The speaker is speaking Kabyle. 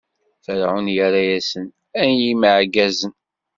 Ferɛun irra-asen: Ay imeɛgazen!